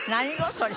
それ。